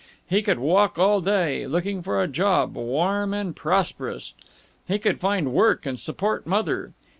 He could walk all day, looking for a job warm and prosperous. He could find work and support Mother.